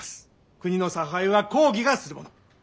国の差配は公儀がするもの。